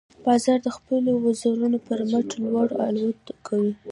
باز د خپلو وزرونو پر مټ لوړ الوت کوي